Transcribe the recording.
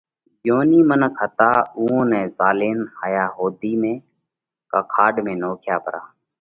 ڳيونِي منک هتا اُوئون نئہ زهلاوينَ هايا هوڌِي ۾ ڪا کاڏ موئين نکايا پرا۔